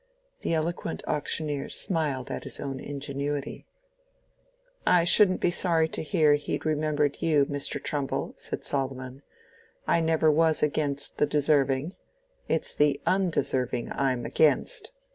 The eloquent auctioneer smiled at his own ingenuity. "I shouldn't be sorry to hear he'd remembered you, Mr. Trumbull," said Solomon. "I never was against the deserving. It's the undeserving I'm against."